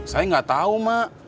saya gak tahu mak